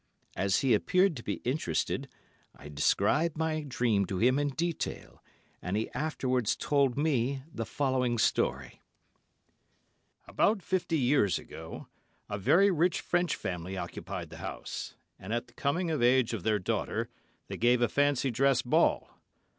As he appeared to be interested, I described my dream to him in detail, and he afterwards told me the following story:— "About fifty years ago, a very rich French family occupied the house; and at the coming of age of their daughter they gave a fancy dress ball.